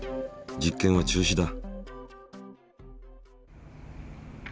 実験は中止だ。